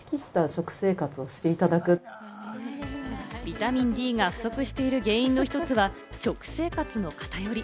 ビタミンＤが不足している原因の一つは、食生活の偏り。